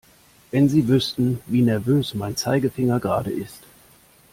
Wenn Sie wüssten, wie nervös mein Zeigefinger gerade ist!